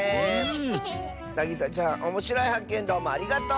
なぎさちゃんおもしろいはっけんどうもありがとう！